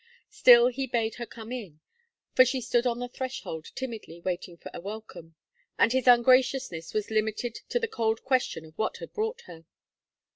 Still he bade her come in, for she stood on the threshold timidly waiting for a welcome; and his ungraciousness was limited to the cold question of what had brought her.